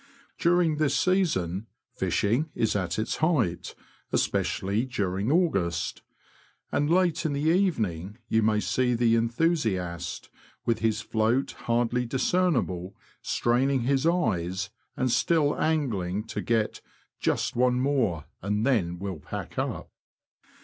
During this season fishing is at its height, espe cially during August ; and late in the evening you THE BROAD DISTRICT IN SUMMER. 221 may see the enthusiast, with his float hardly dis cernible, straining his eyes, and still angling to get " just one more, and then we'll pack up."